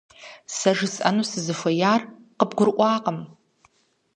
Сэ жысӏэну сызыхуеяр къыбгурыӏуакъым.